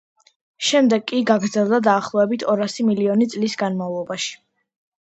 შემდეგ კი გაგრძელდა დაახლოებით ორასი მილიონი წლის განმავლობაში.